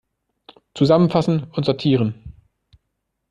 Zusammenfassen und sortieren!